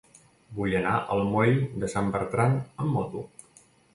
Vull anar al moll de Sant Bertran amb moto.